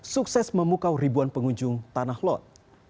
sukses memukau ribuan pengunjung tanah lot